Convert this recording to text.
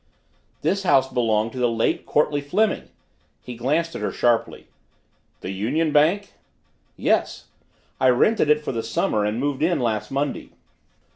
"This house belonged to the late Courtleigh Fleming." He glanced at her sharply. "The Union Bank?" "Yes. I rented it for the summer and moved in last Monday.